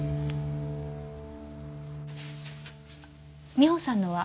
美帆さんのは？